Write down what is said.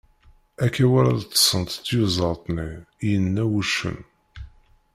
Akka wala ad ṭṭsent tyuzaḍ-nni, i yenna wuccen.